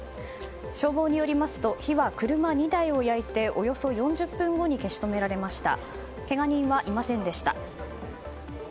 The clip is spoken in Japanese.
消防によりますと火は車２台を焼いておよそ４０分後に消し止められました。